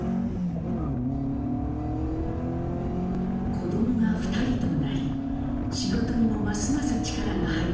子供が２人となり仕事にもますます力が入る